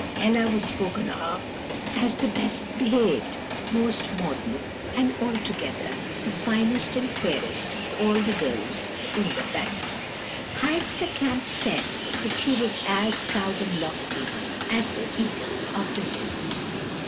Ella was spoken of as the best behaved, most modest, and altogether the finest and fairest of all the girls in the valley. "Heister Kamp said that she was as proud and lofty as the eagle of the hills.